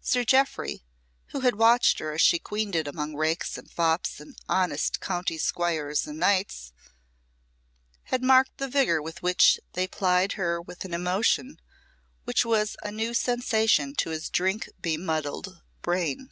Sir Jeoffry, who had watched her as she queened it amongst rakes and fops and honest country squires and knights, had marked the vigour with which they plied her with an emotion which was a new sensation to his drink bemuddled brain.